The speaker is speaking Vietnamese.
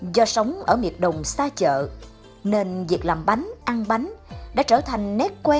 do sống ở miệt đồng xa chợ nên việc làm bánh ăn bánh đã trở thành nét quen